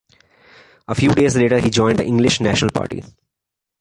A few days later he joined the English National Party.